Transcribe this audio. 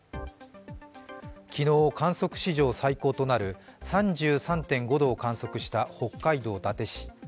昨日観測史上最高となる３３．５度を観測した北海道伊達市。